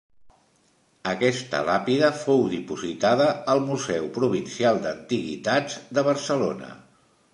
Aquesta làpida fou dipositada al Museu Provincial d'Antiguitats de Barcelona.